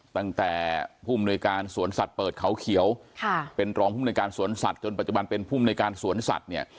ตั้งแต่ผู้มนวยการสวนสัตว์เปิดเขาเขียวค่ะเป็นรองภูมิในการสวนสัตว์จนปัจจุบันเป็นภูมิในการสวนสัตว์เนี่ย